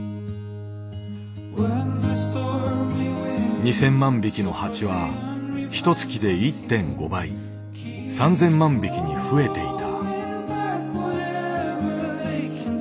２，０００万匹の蜂はひとつきで１．５倍３，０００万匹にふえていた。